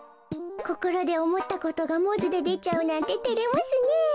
こころでおもったことがもじででちゃうなんててれますねえ。